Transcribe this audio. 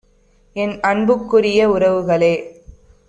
என் அன்புக்குரிய உறவுகளே